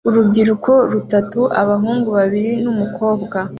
Urubyiruko rutatu (abahungu babiri numukobwa)